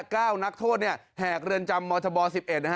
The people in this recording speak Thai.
ก้าวนักโทษแหกเรือนจำมศ๑๑